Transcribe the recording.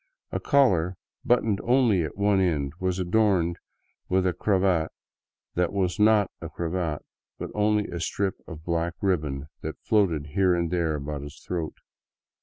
A collar, buttoned only at one end, was adorned with a cravat that was not a cravat, but only a strip of black ribbon that floated here and there about his throat.